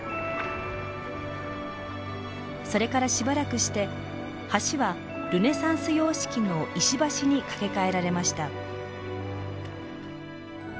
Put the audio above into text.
それからしばらくして橋はルネサンス様式の石橋に架け替えられました。